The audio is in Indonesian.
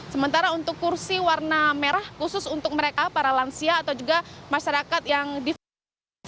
sementara untuk kursi warna merah khusus untuk mereka para lansia atau juga masyarakat yang divaksin